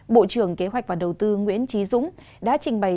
bộ trưởng kế hoạch và đầu tư nguyễn trí dũng đã trình bày